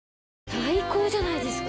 最高じゃないですか。